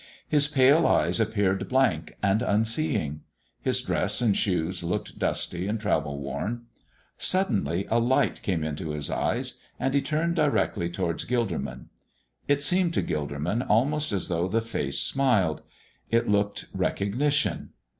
His pale eyes appeared blank and unseeing. His dress and shoes looked dusty and travel worn. Suddenly a light came into his eyes, and He turned directly towards Gilderman. It seemed to Gilderman almost as though the face smiled it looked recognition.